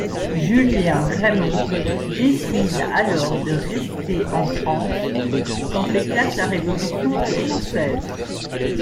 Julien Raimond décide alors de rester en France quand éclate la Révolution française.